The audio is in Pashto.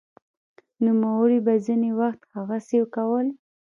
نوموړي به ځیني وخت هغسې کول